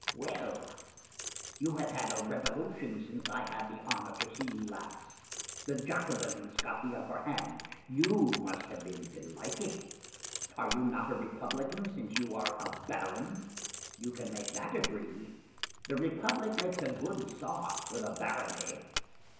Well, you have had a revolution since I had the honor to see you last. The Jacobins got the upper hand. You must have been delighted. Are you not a Republican since you are a Baron? You can make that agree. The Republic makes a good sauce for the barony.